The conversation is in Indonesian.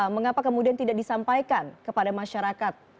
mengapa kemudian tidak disampaikan kepada masyarakat